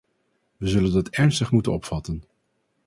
Wij zullen dat ernstig moeten opvatten.